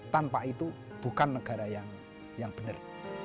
tanpa itu bukan negara yang benar